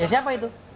ya siapa itu